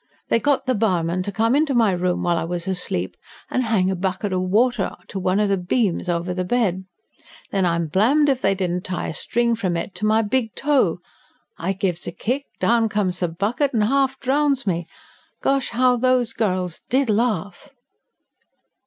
They got the barman to come into my room while I was asleep, and hang a bucket o' water to one of the beams over the bed. Then I'm blamed if they didn't tie a string from it to my big toe! I gives a kick, down comes the bucket and half drowns me. Gosh, how those girls did laugh!"